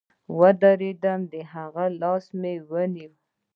ودرېدم د هغه لاس مې ونيو.